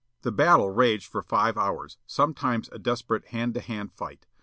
The battle raged for five hours, sometimes a desperate hand to hand fight.